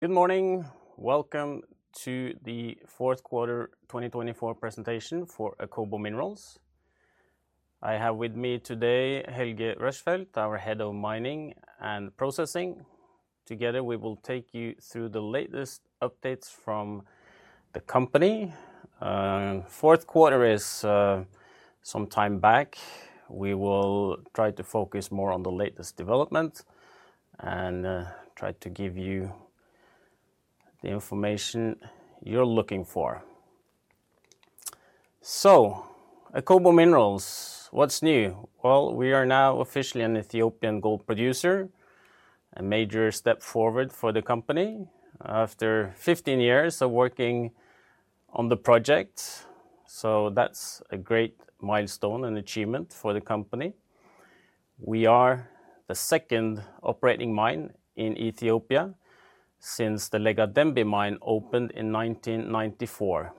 Good morning. Welcome to the Q4 2024 presentation for Akobo Minerals. I have with me today Helge Rushfeldt, our Head of Mining and Processing. Together, we will take you through the latest updates from the company. Q4 is some time back. We will try to focus more on the latest developments and try to give you the information you're looking for. Akobo Minerals, what's new? We are now officially an Ethiopian gold producer, a major step forward for the company after 15 years of working on the project. That's a great milestone and achievement for the company. We are the second operating mine in Ethiopia since the Lega Dembi Mine opened in 1994.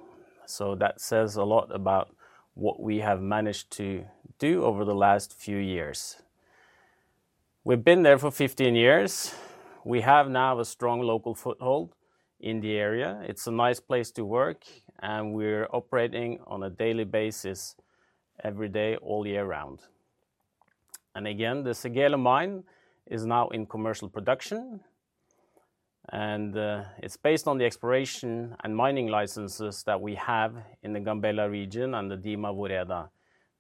That says a lot about what we have managed to do over the last few years. We've been there for 15 years. We have now a strong local foothold in the area. It's a nice place to work, and we're operating on a daily basis, every day, all year round. The Segele mine is now in commercial production, and it's based on the exploration and mining licenses that we have in the Gambela region and the Dima Woreda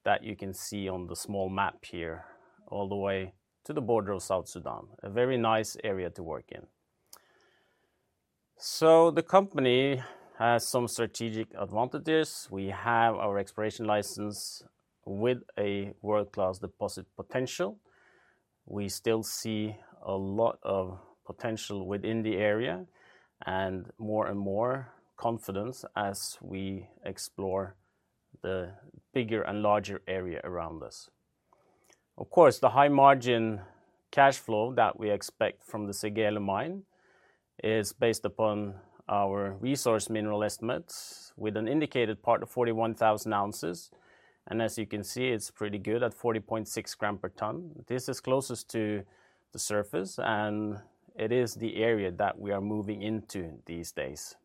that you can see on the small map here, all the way to the border of South Sudan. A very nice area to work in. The company has some strategic advantages. We have our exploration license with a world-class deposit potential. We still see a lot of potential within the area and more and more confidence as we explore the bigger and larger area around us. Of course, the high margin cash flow that we expect from the Segele mine is based upon our resource mineral estimates with an indicated part of 41,000 ounces. As you can see, it's pretty good at 40.6 grams per ton. This is closest to the surface, and it is the area that we are moving into these days.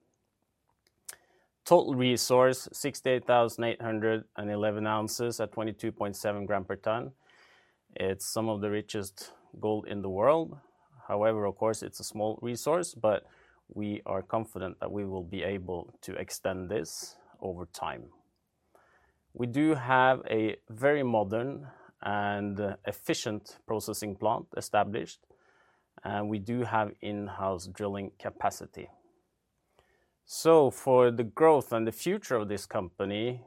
Total resource is 68,811 ounces at 22.7 grams per ton. It's some of the richest gold in the world. However, of course, it's a small resource, but we are confident that we will be able to extend this over time. We do have a very modern and efficient processing plant established, and we do have in-house drilling capacity. For the growth and the future of this company,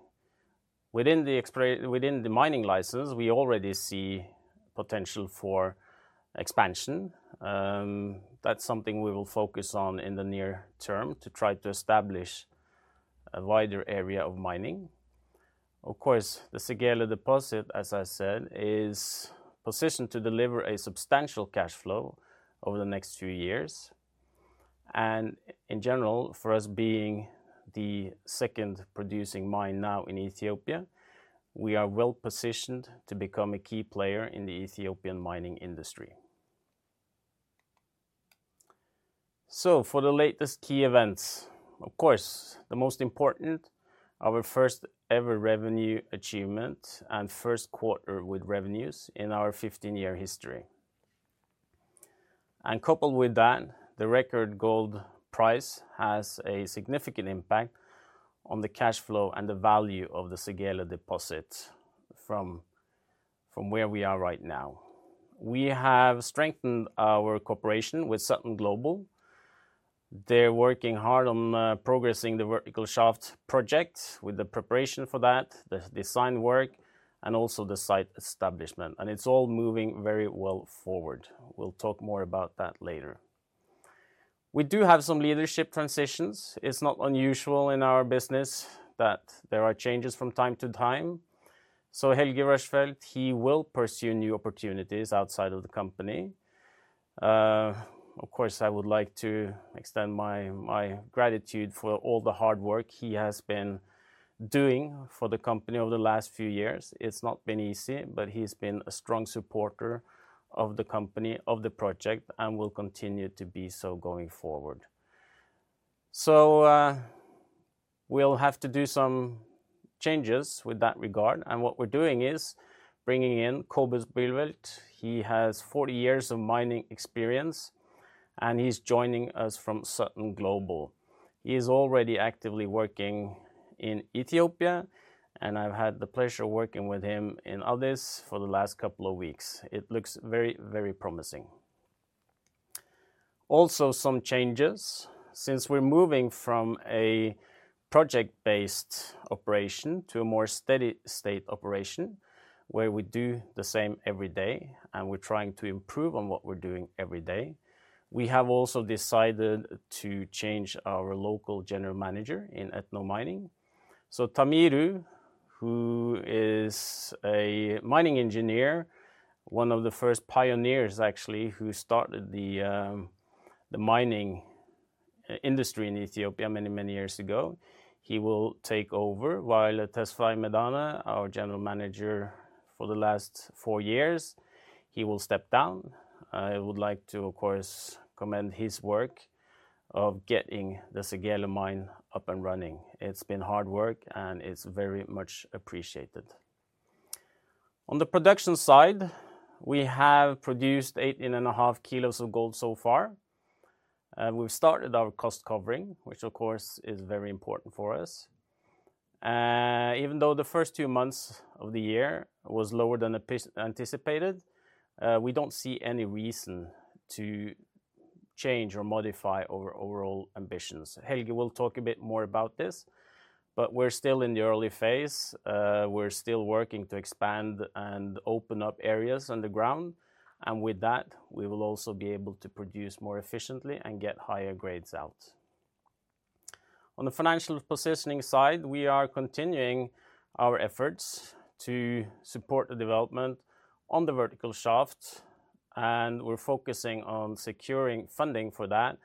within the mining license, we already see potential for expansion. That's something we will focus on in the near term to try to establish a wider area of mining. Of course, the Segele deposit, as I said, is positioned to deliver a substantial cash flow over the next few years. In general, for us being the second producing mine now in Ethiopia, we are well positioned to become a key player in the Ethiopian mining industry. For the latest key events, of course, the most important, our first ever revenue achievement and first quarter with revenues in our 15-year history. Coupled with that, the record gold price has a significant impact on the cash flow and the value of the Segele deposit from where we are right now. We have strengthened our cooperation with Sutton Global. They're working hard on progressing the vertical shaft project with the preparation for that, the design work, and also the site establishment. It's all moving very well forward. We'll talk more about that later. We do have some leadership transitions. It's not unusual in our business that there are changes from time to time. Helge Rushfeldt, he will pursue new opportunities outside of the company. Of course, I would like to extend my gratitude for all the hard work he has been doing for the company over the last few years. It's not been easy, but he's been a strong supporter of the company, of the project, and will continue to be so going forward. We'll have to do some changes with that regard. What we're doing is bringing in Akobo Minerals Jock Evans. He has 40 years of mining experience, and he's joining us from Sutton Global. He is already actively working in Ethiopia, and I've had the pleasure of working with him in Addis for the last couple of weeks. It looks very, very promising. Also, some changes. Since we're moving from a project-based operation to a more steady-state operation where we do the same every day, and we're trying to improve on what we're doing every day, we have also decided to change our local general manager in Etno Mining. Tamiru, who is a mining engineer, one of the first pioneers actually who started the mining industry in Ethiopia many, many years ago, he will take over. While Tesfaye Medana, our general manager for the last four years, he will step down. I would like to, of course, commend his work of getting the Segele mine up and running. It's been hard work, and it's very much appreciated. On the production side, we have produced 18.5 kilos of gold so far. We've started our cost covering, which of course is very important for us. Even though the first 2 months of the year was lower than anticipated, we don't see any reason to change or modify our overall ambitions. Helge will talk a bit more about this, but we're still in the early phase. We're still working to expand and open up areas underground. With that, we will also be able to produce more efficiently and get higher grades out. On the financial positioning side, we are continuing our efforts to support the development on the vertical shaft, and we're focusing on securing funding for that.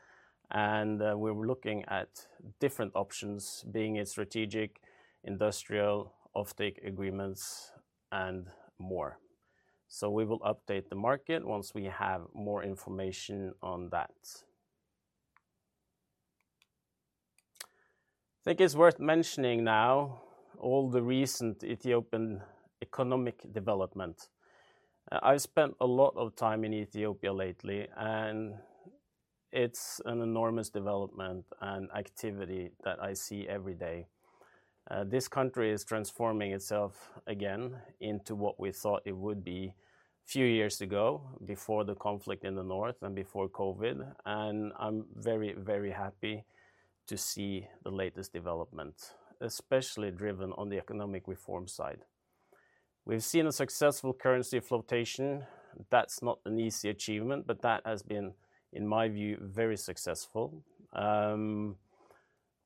We're looking at different options being in strategic industrial offtake agreements and more. We will update the market once we have more information on that. I think it's worth mentioning now all the recent Ethiopian economic development. I've spent a lot of time in Ethiopia lately, and it's an enormous development and activity that I see every day. This country is transforming itself again into what we thought it would be a few years ago before the conflict in the north and before COVID. I'm very, very happy to see the latest developments, especially driven on the economic reform side. We've seen a successful currency flotation. That's not an easy achievement, but that has been, in my view, very successful.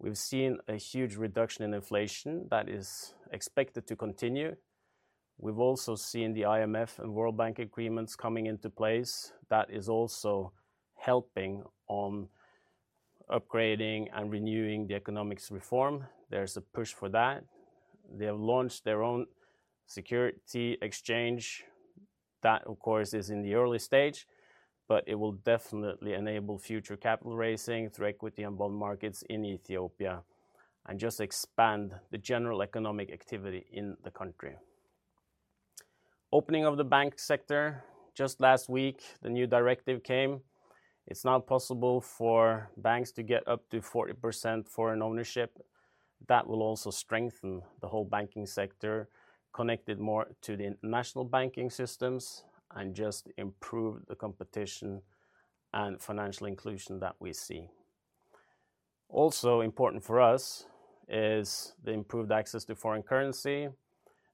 We've seen a huge reduction in inflation that is expected to continue. We've also seen the IMF and World Bank agreements coming into place. That is also helping on upgrading and renewing the economic reform. There's a push for that. They have launched their own securities exchange. That, of course, is in the early stage, but it will definitely enable future capital raising through equity and bond markets in Ethiopia and just expand the general economic activity in the country. Opening of the bank sector. Just last week, the new directive came. It is now possible for banks to get up to 40% foreign ownership. That will also strengthen the whole banking sector, connect it more to the national banking systems, and just improve the competition and financial inclusion that we see. Also important for us is the improved access to foreign currency.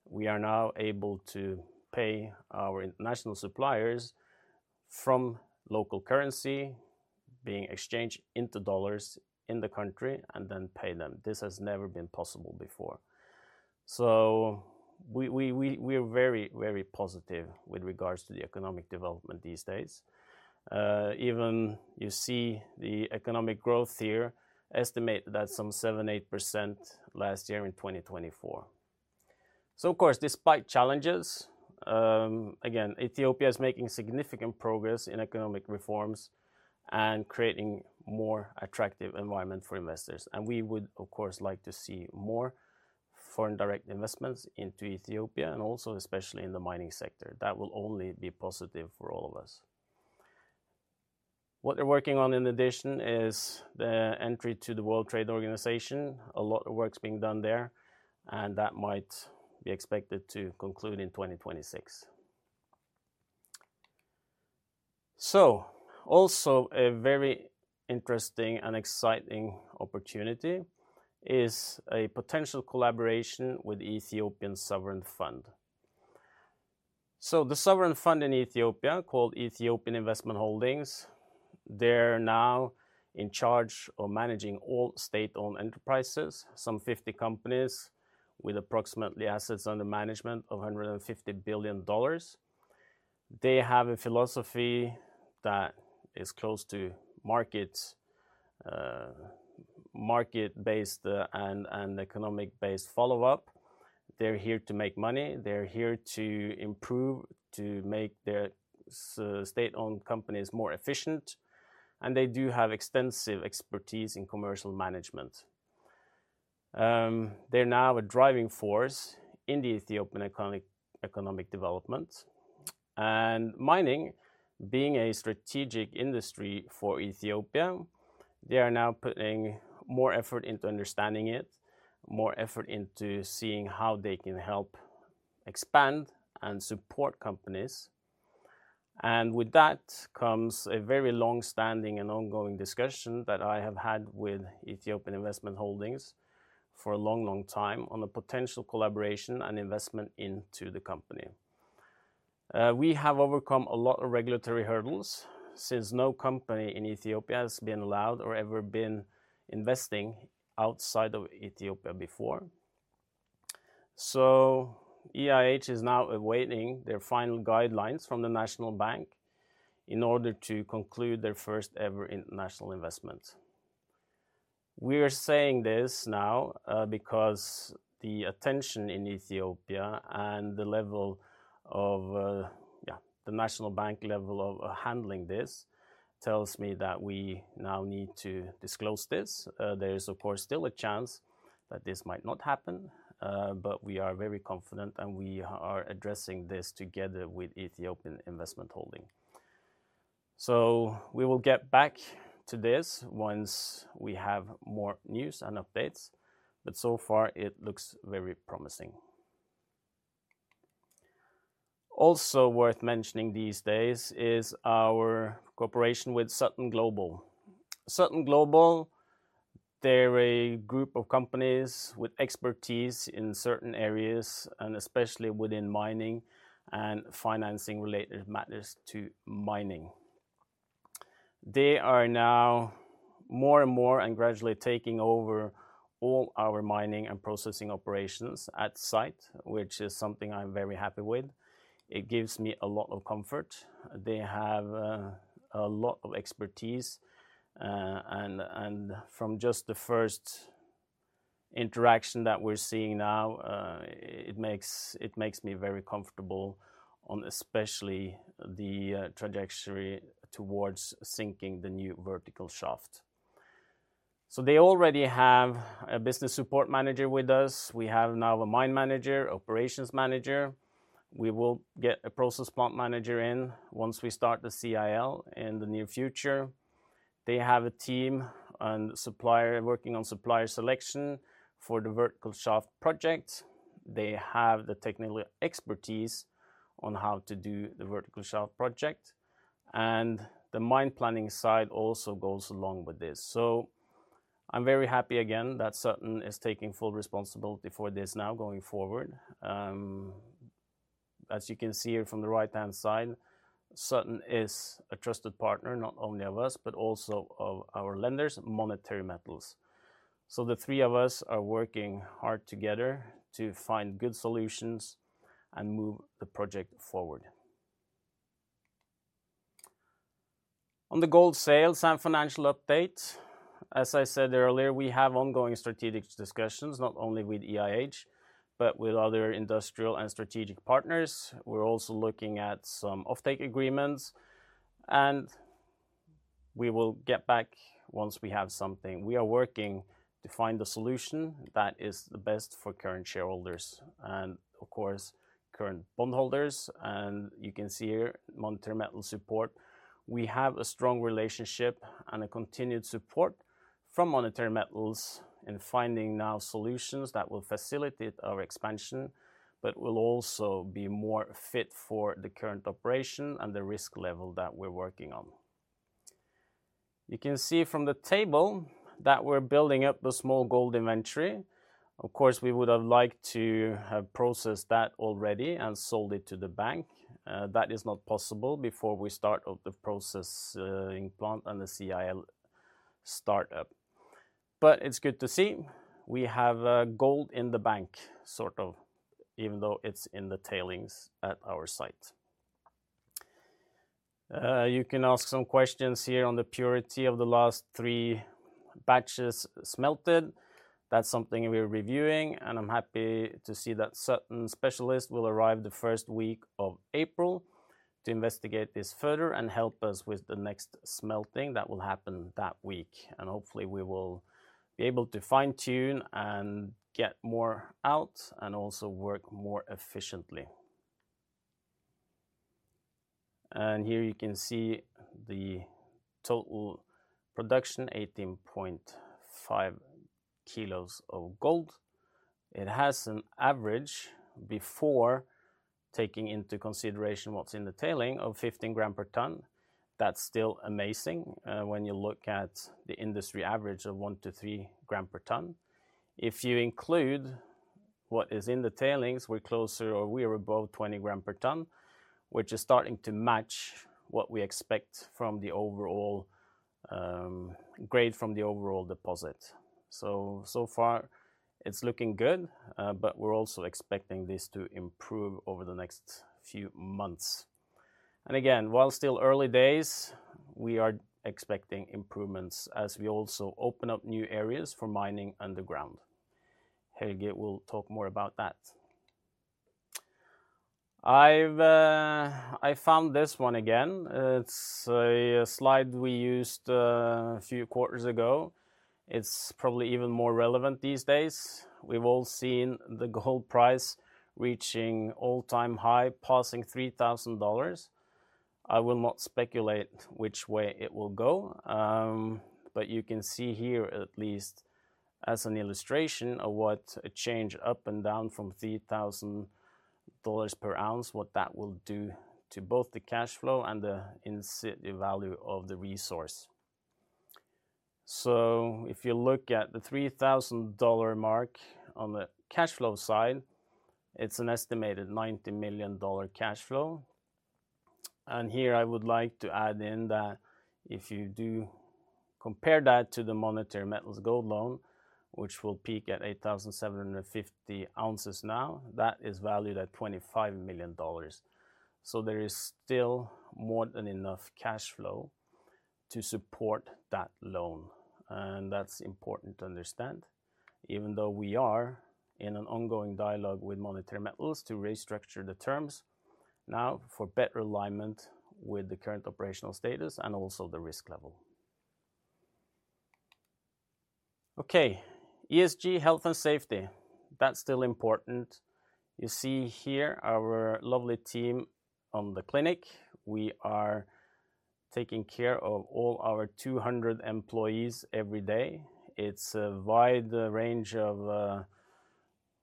We are now able to pay our national suppliers from local currency, being exchanged into dollars in the country, and then pay them. This has never been possible before. We are very, very positive with regards to the economic development these days. Even you see the economic growth here estimated at some 7%, 8% last year in 2024. Of course, despite challenges, again, Ethiopia is making significant progress in economic reforms and creating a more attractive environment for investors. We would, of course, like to see more foreign direct investments into Ethiopia and also especially in the mining sector. That will only be positive for all of us. What they're working on in addition is the entry to the World Trade Organization. A lot of work's being done there, and that might be expected to conclude in 2026. Also a very interesting and exciting opportunity is a potential collaboration with the Ethiopian Sovereign Fund. The Sovereign Fund in Ethiopia, called Ethiopian Investment Holdings, is now in charge of managing all state-owned enterprises, some 50 companies with approximately assets under management of $150 billion. They have a philosophy that is close to market-based and economic-based follow-up. They're here to make money. They're here to improve, to make their state-owned companies more efficient. They do have extensive expertise in commercial management. They're now a driving force in the Ethiopian economic development. Mining, being a strategic industry for Ethiopia, they are now putting more effort into understanding it, more effort into seeing how they can help expand and support companies. With that comes a very long-standing and ongoing discussion that I have had with Ethiopian Investment Holdings for a long, long time on the potential collaboration and investment into the company. We have overcome a lot of regulatory hurdles since no company in Ethiopia has been allowed or ever been investing outside of Ethiopia before. EIH is now awaiting their final guidelines from the National Bank in order to conclude their first ever international investment. We are saying this now because the attention in Ethiopia and the level of, yeah, the National Bank level of handling this tells me that we now need to disclose this. There is, of course, still a chance that this might not happen, but we are very confident and we are addressing this together with Ethiopian Investment Holdings. We will get back to this once we have more news and updates, but so far it looks very promising. Also worth mentioning these days is our cooperation with Sutton Global. Sutton Global, they're a group of companies with expertise in certain areas and especially within mining and financing related matters to mining. They are now more and more and gradually taking over all our mining and processing operations at site, which is something I'm very happy with. It gives me a lot of comfort. They have a lot of expertise. From just the first interaction that we're seeing now, it makes me very comfortable on especially the trajectory towards sinking the new vertical shaft. They already have a business support manager with us. We have now a mine manager, operations manager. We will get a process plant manager in once we start the CIL in the near future. They have a team and working on supplier selection for the vertical shaft project. They have the technical expertise on how to do the vertical shaft project. The mine planning side also goes along with this. I'm very happy again that Sutton is taking full responsibility for this now going forward. As you can see here from the right-hand side, Sutton is a trusted partner, not only of us, but also of our lenders, Monetary Metals. The three of us are working hard together to find good solutions and move the project forward. On the gold sales and financial updates, as I said earlier, we have ongoing strategic discussions, not only with EIH, but with other industrial and strategic partners. We're also looking at some offtake agreements, and we will get back once we have something. We are working to find the solution that is the best for current shareholders and, of course, current bondholders. You can see here, Monetary Metals support. We have a strong relationship and a continued support from Monetary Metals in finding now solutions that will facilitate our expansion, but will also be more fit for the current operation and the risk level that we're working on. You can see from the table that we're building up the small gold inventory. Of course, we would have liked to have processed that already and sold it to the bank. That is not possible before we start the processing plant and the CIL startup. It is good to see we have gold in the bank, sort of, even though it's in the tailings at our site. You can ask some questions here on the purity of the last three batches smelted. That's something we're reviewing, and I'm happy to see that certain specialists will arrive the first week of April to investigate this further and help us with the next smelting that will happen that week. Hopefully, we will be able to fine-tune and get more out and also work more efficiently. Here you can see the total production, 18.5 kg of gold. It has an average before taking into consideration what's in the tailings of 15 g per ton. That's still amazing when you look at the industry average of 1 to 3 g per ton. If you include what is in the tailings, we're closer or we are above 20 g per ton, which is starting to match what we expect from the overall grade from the overall deposit. So far, it's looking good, but we're also expecting this to improve over the next few months. Again, while still early days, we are expecting improvements as we also open up new areas for mining underground. Helge will talk more about that. I found this one again. It is a slide we used a few quarters ago. It is probably even more relevant these days. We have all seen the gold price reaching all-time high, passing $3,000. I will not speculate which way it will go, but you can see here at least as an illustration of what a change up and down from $3,000 per ounce, what that will do to both the cash flow and the in-situ value of the resource. If you look at the $3,000 mark on the cash flow side, it is an estimated $90 million cash flow. Here I would like to add in that if you do compare that to the Monetary Metals Gold Loan, which will peak at 8,750 ounces now, that is valued at $25 million. There is still more than enough cash flow to support that loan. That is important to understand, even though we are in an ongoing dialogue with Monetary Metals to restructure the terms now for better alignment with the current operational status and also the risk level. ESG, health and safety. That is still important. You see here our lovely team on the clinic. We are taking care of all our 200 employees every day. It is a wide range of,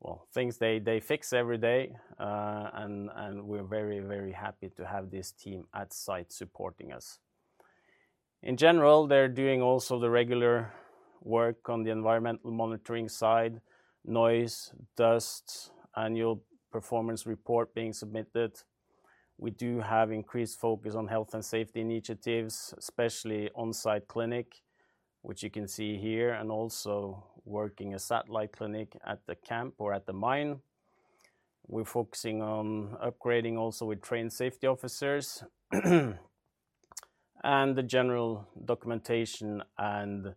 well, things they fix every day. We are very, very happy to have this team at site supporting us. In general, they're doing also the regular work on the environmental monitoring side, noise, dust, annual performance report being submitted. We do have increased focus on health and safety initiatives, especially on-site clinic, which you can see here, and also working a satellite clinic at the camp or at the mine. We're focusing on upgrading also with trained safety officers and the general documentation and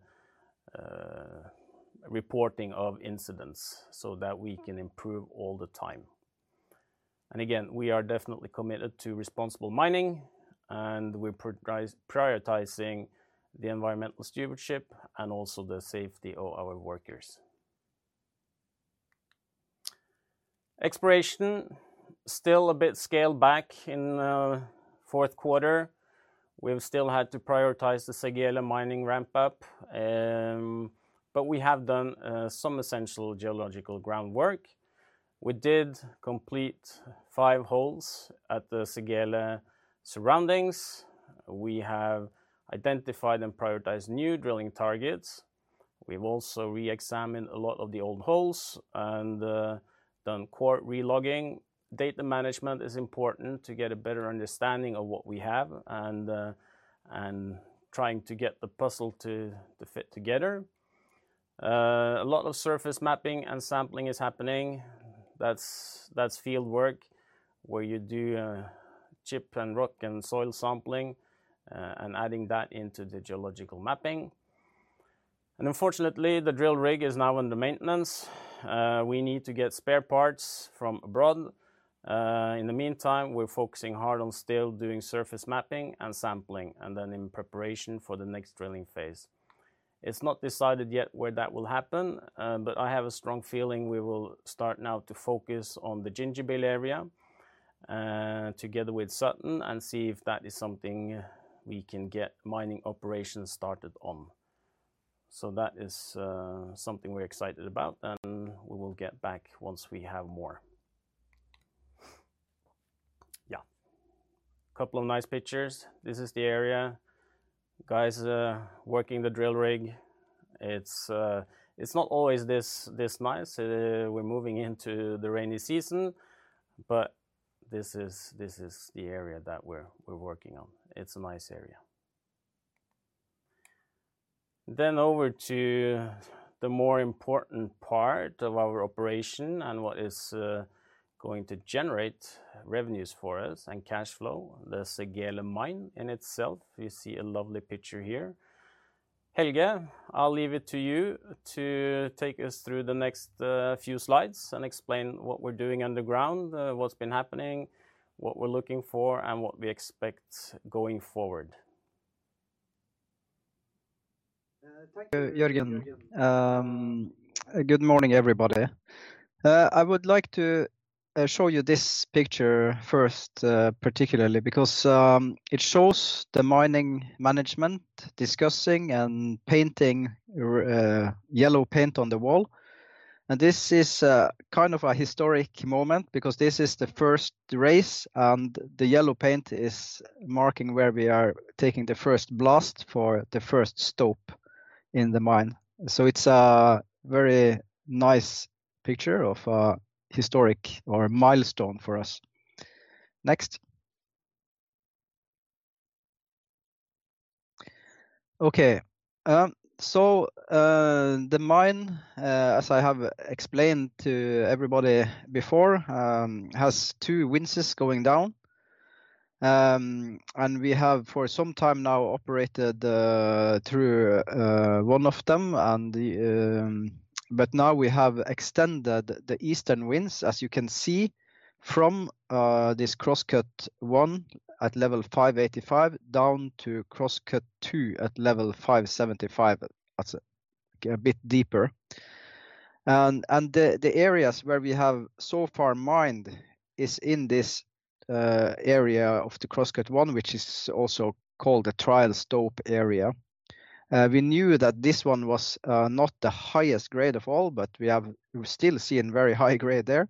reporting of incidents so that we can improve all the time. We are definitely committed to responsible mining, and we're prioritizing the environmental stewardship and also the safety of our workers. Exploration, still a bit scaled back in Q4. We've still had to prioritize the Segele mining ramp-up, but we have done some essential geological groundwork. We did complete five holes at the Segele surroundings. We have identified and prioritized new drilling targets. We've also re-examined a lot of the old holes and done core relogging. Data management is important to get a better understanding of what we have and trying to get the puzzle to fit together. A lot of surface mapping and sampling is happening. That's field work where you do chip and rock and soil sampling and adding that into the geological mapping. Unfortunately, the drill rig is now under maintenance. We need to get spare parts from abroad. In the meantime, we're focusing hard on still doing surface mapping and sampling and then in preparation for the next drilling phase. It's not decided yet where that will happen, but I have a strong feeling we will start now to focus on the Gambela area together with Sutton and see if that is something we can get mining operations started on. That is something we're excited about, and we will get back once we have more. Yeah, a couple of nice pictures. This is the area. Guys working the drill rig. It's not always this nice. We're moving into the rainy season, but this is the area that we're working on. It's a nice area. Over to the more important part of our operation and what is going to generate revenues for us and cash flow, the Segele mine in itself. You see a lovely picture here. Helge, I'll leave it to you to take us through the next few slides and explain what we're doing underground, what's been happening, what we're looking for, and what we expect going forward. Thank you, Jørgen. Good morning, everybody. I would like to show you this picture first, particularly because it shows the mining management discussing and painting yellow paint on the wall. This is kind of a historic moment because this is the first race, and the yellow paint is marking where we are taking the first blast for the first stope in the mine. It is a very nice picture of a historic or a milestone for us. Next. Okay, the mine, as I have explained to everybody before, has two winzes going down. We have for some time now operated through one of them, but now we have extended the eastern winzes, as you can see, from this cross-cut one at level 585 down to cross-cut two at level 575. That is a bit deeper. The areas where we have so far mined are in this area of the cross-cut one, which is also called the trial stope area. We knew that this one was not the highest grade of all, but we have still seen very high grade there.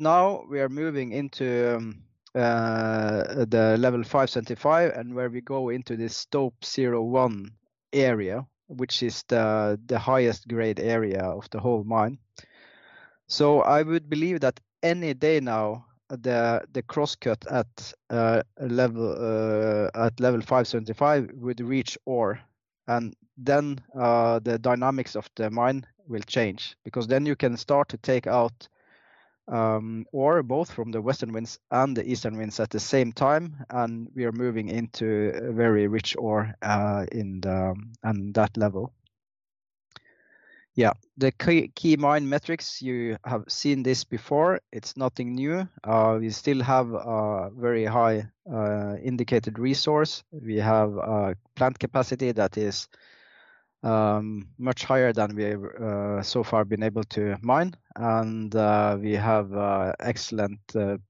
Now we are moving into the level 575 and where we go into this stop 01 area, which is the highest grade area of the whole mine. I would believe that any day now, the cross-cut at level 575 would reach ore, and then the dynamics of the mine will change because then you can start to take out ore both from the western winzes and the eastern winzes at the same time, and we are moving into very rich ore in that level. Yeah, the key mine metrics, you have seen this before. It's nothing new. We still have a very high indicated resource. We have a plant capacity that is much higher than we have so far been able to mine, and we have excellent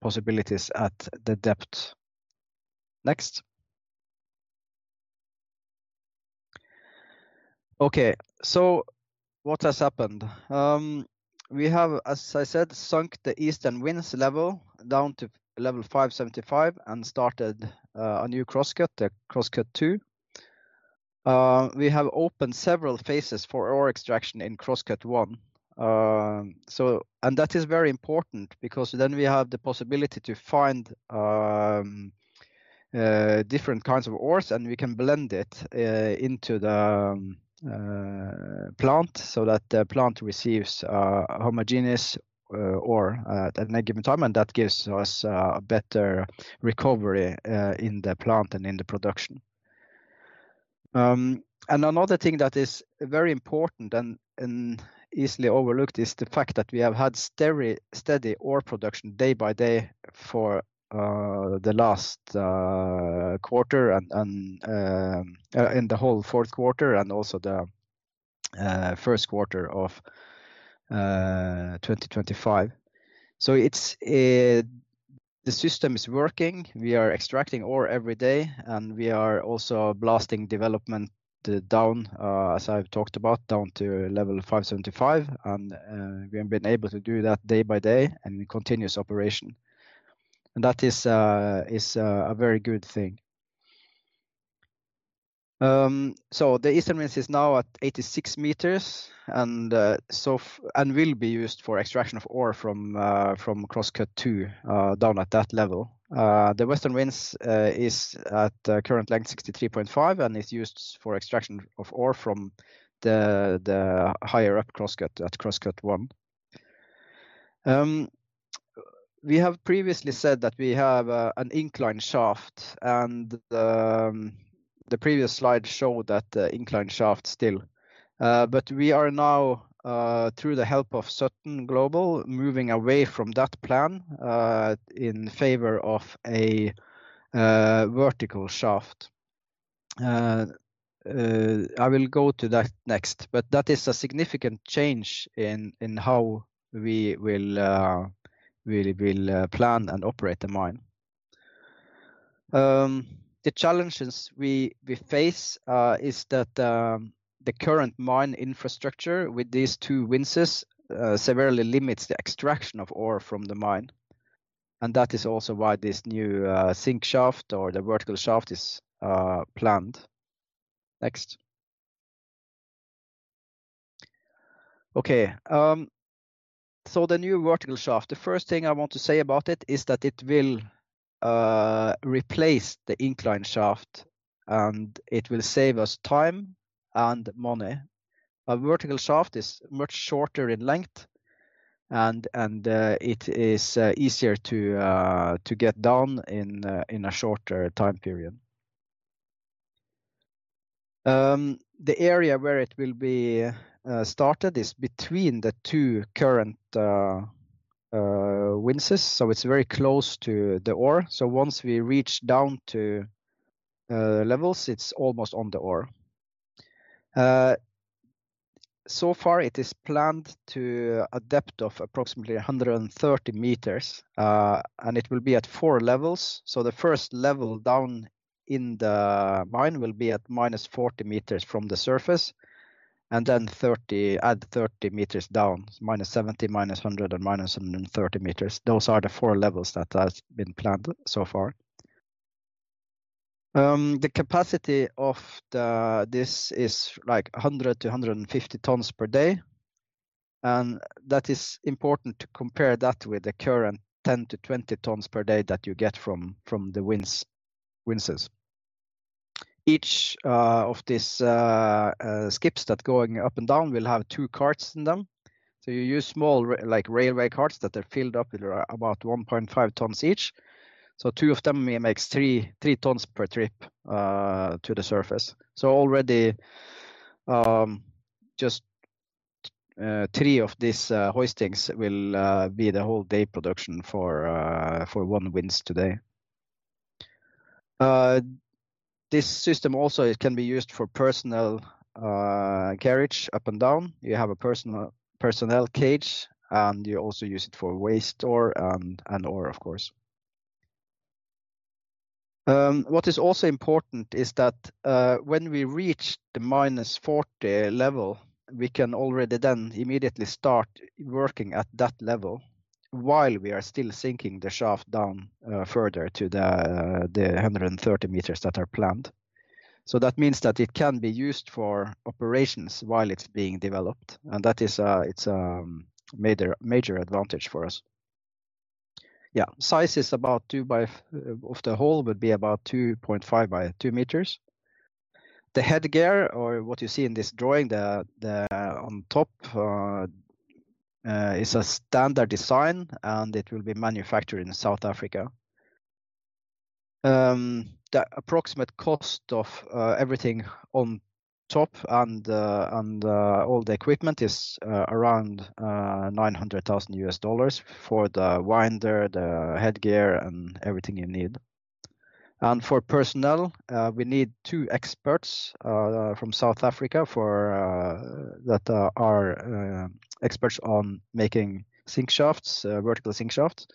possibilities at the depth. Next. Okay, what has happened? We have, as I said, sunk the eastern winzes level down to level 575 and started a new cross-cut, the cross-cut two. We have opened several phases for ore extraction in cross-cut one. That is very important because then we have the possibility to find different kinds of ores, and we can blend it into the plant so that the plant receives homogeneous ore at any given time, and that gives us a better recovery in the plant and in the production. Another thing that is very important and easily overlooked is the fact that we have had steady ore production day by day for the last quarter and in the whole Q4 and also the first quarter of 2025. The system is working. We are extracting ore every day, and we are also blasting development down, as I've talked about, down to level 575, and we have been able to do that day by day and in continuous operation. That is a very good thing. The eastern winder is now at 86 meters and will be used for extraction of ore from cross-cut two down at that level. The western winder is at current length 63.5, and it's used for extraction of ore from the higher-up cross-cut at cross-cut one. We have previously said that we have an incline shaft, and the previous slide showed that the incline shaft still, but we are now, through the help of Sutton Global, moving away from that plan in favor of a vertical shaft. I will go to that next, but that is a significant change in how we will really plan and operate the mine. The challenges we face is that the current mine infrastructure with these 2 winzes severely limits the extraction of ore from the mine. That is also why this new sink shaft or the vertical shaft is planned. Next. Okay, so the new vertical shaft, the first thing I want to say about it is that it will replace the incline shaft, and it will save us time and money. A vertical shaft is much shorter in length, and it is easier to get down in a shorter time period. The area where it will be started is between the two current winzes, so it's very close to the ore. Once we reach down to levels, it's almost on the ore. So far, it is planned to a depth of approximately 130 meters, and it will be at four levels. The first level down in the mine will be at minus 40 meters from the surface, and then 30 meters down, minus 70, minus 100, and minus 130 meters. Those are the four levels that have been planned so far. The capacity of this is like 100-150 tons per day. That is important to compare that with the current 10-20 tons per day that you get from the winzes. Each of these skips that are going up and down will have two carts in them. You use small railway carts that are filled up with about 1.5 tons each. Two of them makes 3 tons per trip to the surface. Already just three of these hoistings will be the whole day production for one winder today. This system also can be used for personnel carriage up and down. You have a personnel cage, and you also use it for waste ore and ore, of course. What is also important is that when we reach the minus 40 level, we can already then immediately start working at that level while we are still sinking the shaft down further to the 130 meters that are planned. That means that it can be used for operations while it's being developed. That is a major advantage for us. Yeah, size is about two by, of the hole would be about 2.5 by 2 meters. The headgear or what you see in this drawing on top is a standard design, and it will be manufactured in South Africa. The approximate cost of everything on top and all the equipment is around $900,000 for the winder, the headgear, and everything you need. For personnel, we need two experts from South Africa that are experts on making sink shafts, vertical sink shafts.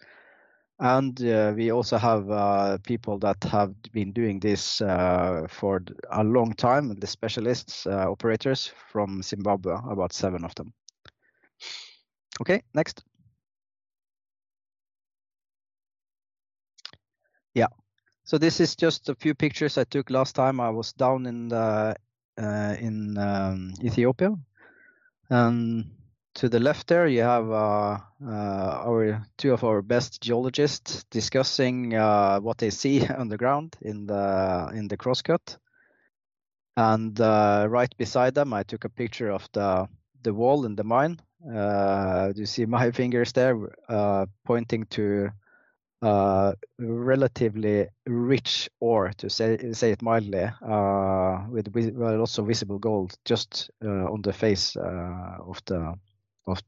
We also have people that have been doing this for a long time, the specialists, operators from Zimbabwe, about seven of them. Okay, next. This is just a few pictures I took last time. I was down in Ethiopia. To the left there, you have two of our best geologists discussing what they see on the ground in the cross-cut. Right beside them, I took a picture of the wall in the mine. Do you see my fingers there pointing to relatively rich ore, to say it mildly, with also visible gold just on the face of the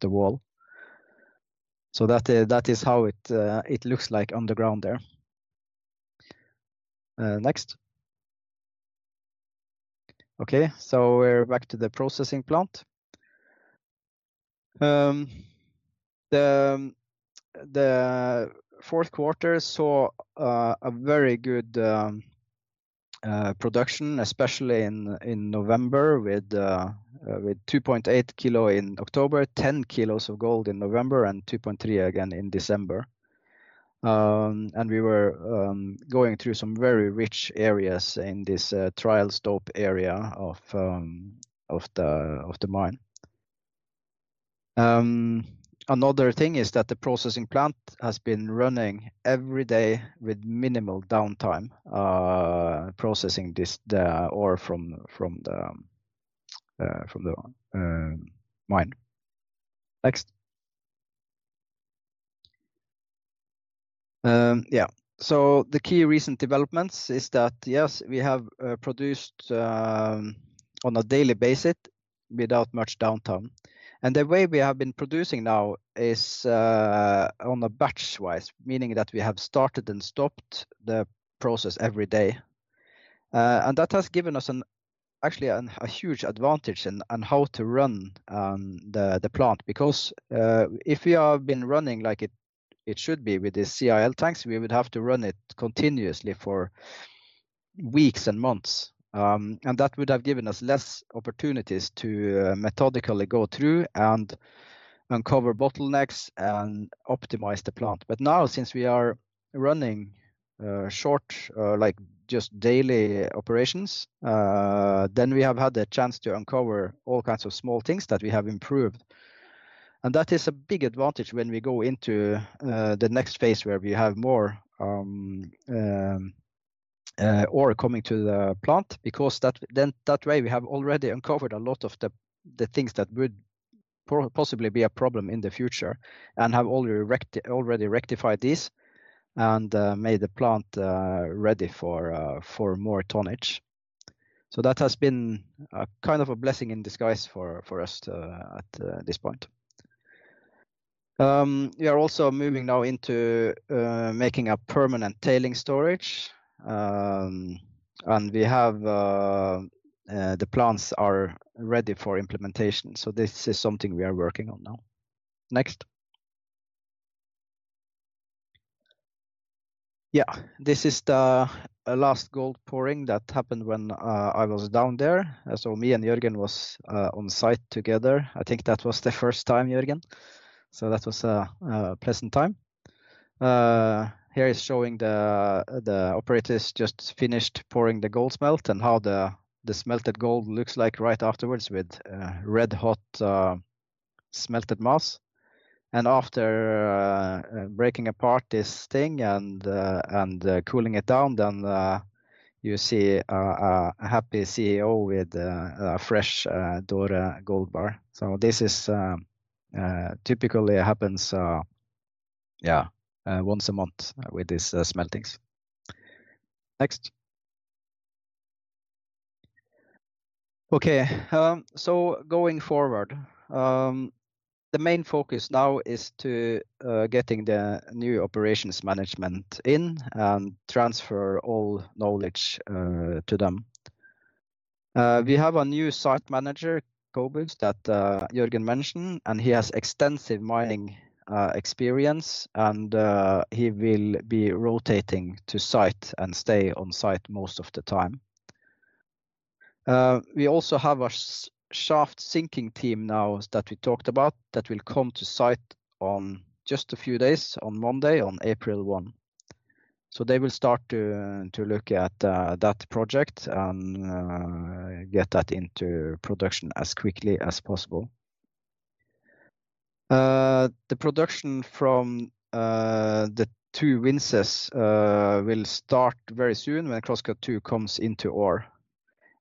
wall? That is how it looks like on the ground there. Next. Okay, we are back to the processing plant. The Q4 saw very good production, especially in November, with 2.8 kilos in October, 10 kilos of gold in November, and 2.3 again in December. We were going through some very rich areas in this trial stop area of the mine. Another thing is that the processing plant has been running every day with minimal downtime processing the ore from the mine. Next. Yeah, the key recent developments is that, yes, we have produced on a daily basis without much downtime. The way we have been producing now is on a batch-wise, meaning that we have started and stopped the process every day. That has given us actually a huge advantage in how to run the plant because if we have been running like it should be with the CIL tanks, we would have to run it continuously for weeks and months. That would have given us less opportunities to methodically go through and uncover bottlenecks and optimize the plant. Now, since we are running short, just daily operations, we have had the chance to uncover all kinds of small things that we have improved. That is a big advantage when we go into the next phase where we have more ore coming to the plant because that way we have already uncovered a lot of the things that would possibly be a problem in the future and have already rectified these and made the plant ready for more tonnage. That has been kind of a blessing in disguise for us at this point. We are also moving now into making a permanent tailings storage. We have the plans ready for implementation. This is something we are working on now. Next, this is the last gold pouring that happened when I was down there. Me and Jørgen were on site together. I think that was the first time, Jørgen. That was a pleasant time. Here is showing the operators just finished pouring the gold smelt and how the smelted gold looks like right afterwards with red-hot smelted mass. After breaking apart this thing and cooling it down, you see a happy CEO with a fresh doré gold bar. This typically happens once a month with these smeltings. Next. Okay, going forward, the main focus now is to getting the new operations management in and transfer all knowledge to them. We have a new site manager, Kobus, that Jørgen mentioned, and he has extensive mining experience, and he will be rotating to site and stay on site most of the time. We also have a shaft sinking team now that we talked about that will come to site on just a few days on Monday, on April 1. They will start to look at that project and get that into production as quickly as possible. The production from the two winzes will start very soon when cross-cut two comes into ore.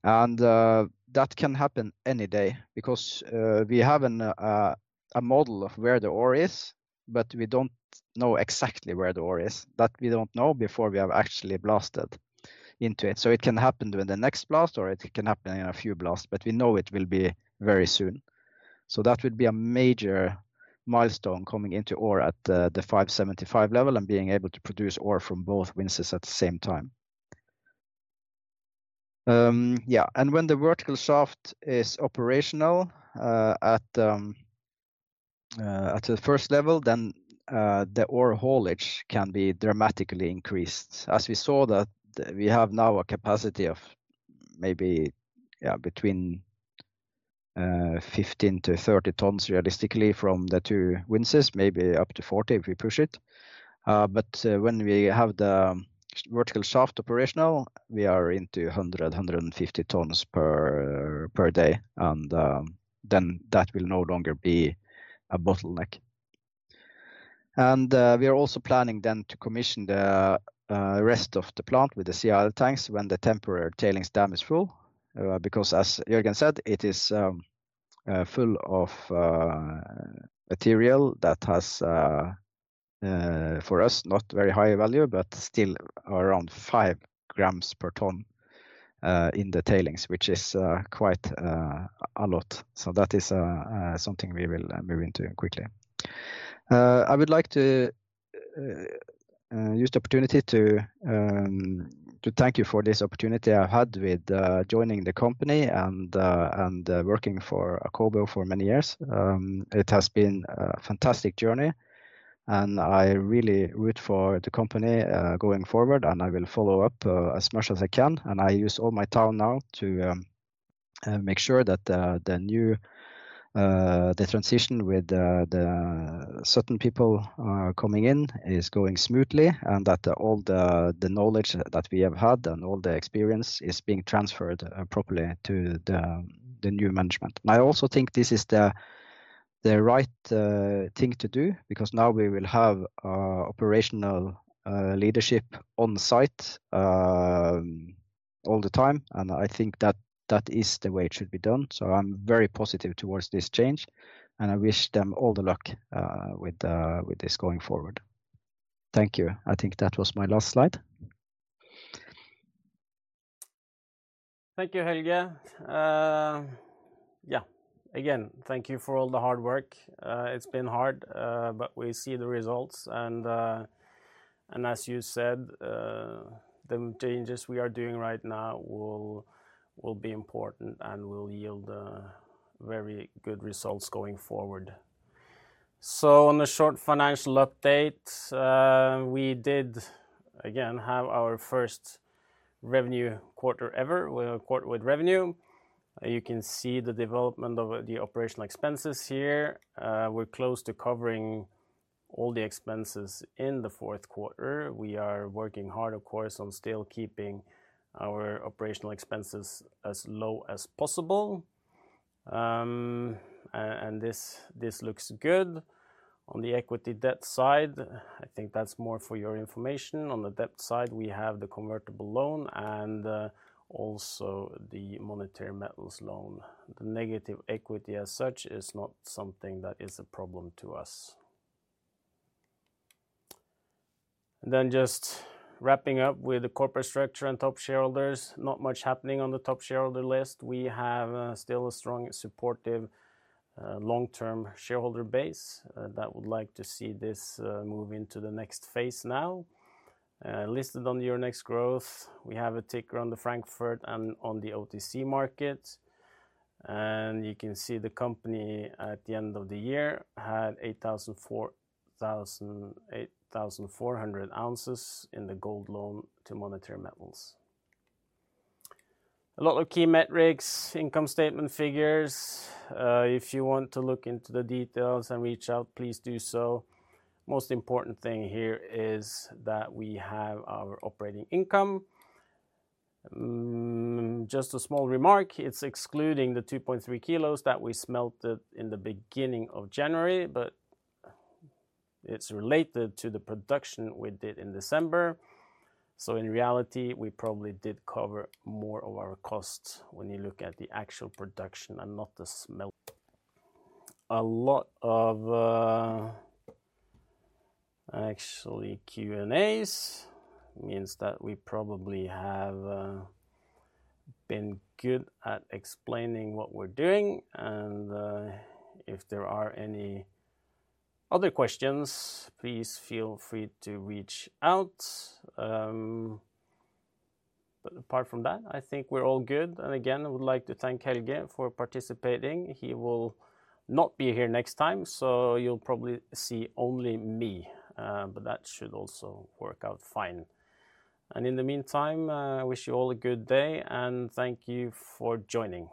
That can happen any day because we have a model of where the ore is, but we do not know exactly where the ore is. We do not know before we have actually blasted into it. It can happen during the next blast, or it can happen in a few blasts, but we know it will be very soon. That would be a major milestone, coming into ore at the 575 level and being able to produce ore from both winzes at the same time. When the vertical shaft is operational at the first level, the ore haulage can be dramatically increased. As we saw, we have now a capacity of maybe between 15 to 30 tons realistically from the two winders, maybe up to 40 if we push it. When we have the vertical shaft operational, we are into 100 to 150 tons per day. That will no longer be a bottleneck. We are also planning to commission the rest of the plant with the CIL tanks when the temporary tailings dam is full because, as Jørgen said, it is full of material that has for us not very high value, but still around 5 grams per ton in the tailings, which is quite a lot. That is something we will move into quickly. I would like to use the opportunity to thank you for this opportunity I have had with joining the company and working for Akobo for many years. It has been a fantastic journey, and I really root for the company going forward, and I will follow up as much as I can. I use all my time now to make sure that the new transition with the certain people coming in is going smoothly and that all the knowledge that we have had and all the experience is being transferred properly to the new management. I also think this is the right thing to do because now we will have operational leadership on site all the time. I think that that is the way it should be done. I am very positive towards this change, and I wish them all the luck with this going forward. Thank you. I think that was my last slide. Thank you, Helge. Yeah, again, thank you for all the hard work. It's been hard, but we see the results. As you said, the changes we are doing right now will be important and will yield very good results going forward. On the short financial update, we did, again, have our first revenue quarter ever with revenue. You can see the development of the operational expenses here. We're close to covering all the expenses in the Q4. We are working hard, of course, on still keeping our operational expenses as low as possible. This looks good. On the equity debt side, I think that's more for your information. On the debt side, we have the convertible loan and also the Monetary Metals loan. The negative equity as such is not something that is a problem to us. Just wrapping up with the corporate structure and top shareholders, not much happening on the top shareholder list. We have still a strong supportive long-term shareholder base that would like to see this move into the next phase now. Listed on your next growth, we have a ticker on the Frankfurt and on the OTC market. You can see the company at the end of the year had 8,400 ounces in the gold loan to Monetary Metals. A lot of key metrics, income statement figures. If you want to look into the details and reach out, please do so. Most important thing here is that we have our operating income. Just a small remark, it's excluding the 2.3 kilos that we smelted in the beginning of January, but it's related to the production we did in December. In reality, we probably did cover more of our costs when you look at the actual production and not the. A lot of actually Q&As means that we probably have been good at explaining what we're doing. If there are any other questions, please feel free to reach out. Apart from that, I think we're all good. Again, I would like to thank Helge for participating. He will not be here next time, so you'll probably see only me, but that should also work out fine. In the meantime, I wish you all a good day and thank you for joining.